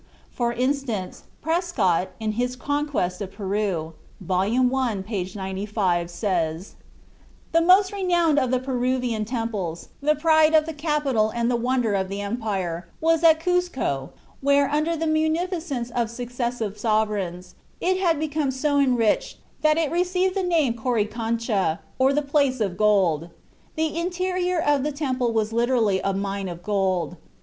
For instance, Prescott, in his "Conquest of Peru" (vol. i., p. 95), says: "The most renowned of the Peruvian temples, the pride of the capital and the wonder of the empire, was at Cuzco, where, under the munificence of successive sovereigns, it had become so enriched that it received the name of Coricancha, or 'the Place of Gold.'... The interior of the temple was literally a mine of gold.